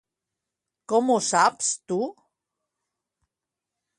Com ho saps tu?